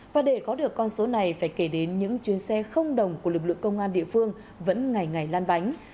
và để có được con số này phải kể đến những chuyến xe không đồng của lực lượng công an địa phương vẫn ngày ngày lan bánh